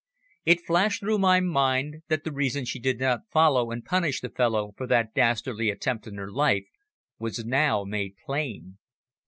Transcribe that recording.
It flashed through my mind that the reason she did not follow and punish the fellow for that dastardly attempt on her life was now made plain.